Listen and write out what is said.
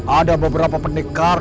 ada beberapa pendekar